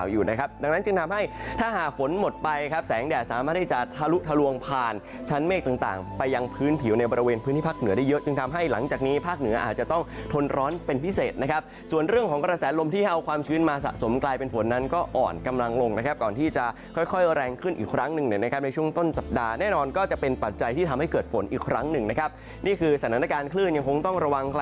เยอะจึงทำให้หลังจากนี้ภาคเหนืออาจจะต้องทนร้อนเป็นพิเศษนะครับส่วนเรื่องของกระแสลมที่เอาความชื้นมาสะสมกลายเป็นฝนนั้นก็อ่อนกำลังลงนะครับก่อนที่จะค่อยแรงขึ้นอีกครั้งหนึ่งในช่วงต้นสัปดาห์แน่นอนก็จะเป็นปัจจัยที่ทำให้เกิดฝนอีกครั้งหนึ่งนะครับนี่คือสถานการณ์คลื่นยังคงต้องระวั